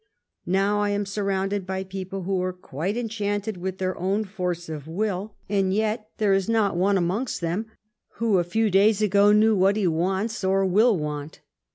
Now, I am surrounded by people who are quite enchanted witli their own force of will, and 152 LIFE OF PBINCE METTEBNICE. yet there is not one amongst them who a few days ago knew what he wants or will want.